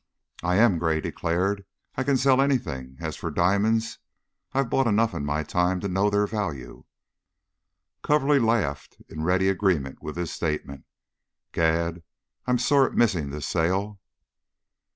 "I am," Gray declared. "I can sell anything. As for diamonds I've bought enough in my time to know their value." Coverly laughed in ready agreement with this statement. "Gad! I'm sore at missing this sale."